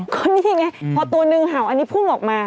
ก็นี่ไงพอตัวหนึ่งเห่าอันนี้พุ่งออกมา